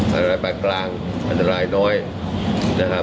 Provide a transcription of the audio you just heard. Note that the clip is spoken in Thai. อันตรายปานกลางอันตรายน้อยนะครับ